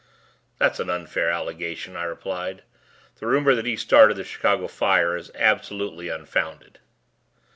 "That's an unfair allegation," I replied. "The rumor that he started the Chicago Fire is absolutely unfounded."